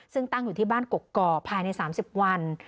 ซึ่งตั้งอยู่ที่บ้านกก่อภายใน๓๐วัน